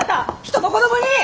人の子供に！